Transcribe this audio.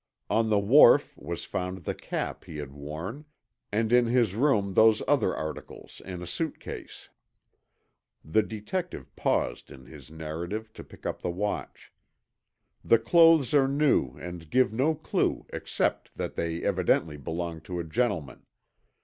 On the wharf was found the cap he had worn and in his room those other articles in a suitcase." The detective paused in his narrative to pick up the watch. "The clothes are new and give no clue except that they evidently belonged to a gentleman.